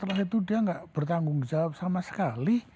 setelah itu dia nggak bertanggung jawab sama sekali